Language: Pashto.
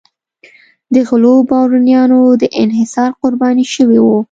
د غلو بارونیانو د انحصار قرباني شوي وو.